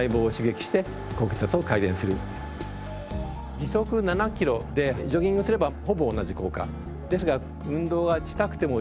時速７キロでジョギングすればほぼ同じ効果。ですが。